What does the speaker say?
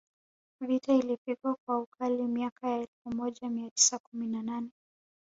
Vita ilipigwa kwa ukali miaka ya elfu moja mia tisa kumi na nne